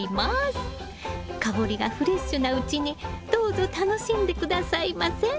香りがフレッシュなうちにどうぞ楽しんで下さいませ。